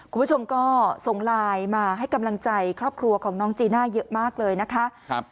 คุณผู้ชมก็ส่งไลน์มาให้กำลังใจครอบครัวของน้องจีน่าเยอะมากเลยนะคะ